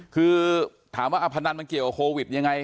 คือถามว่าพนันมันเกี่ยวกับโควิดยังไง